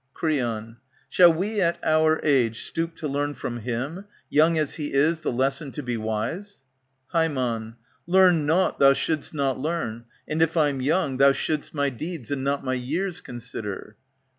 ANTIGONE Creon, Shall wc at, QliT, agc .stoop to learn from him, Young as he is, the lesson to be wise ? H^em, Learn nought thou should'st not learn. And if I 'm young, Thou should'st my deeds and not my years consider.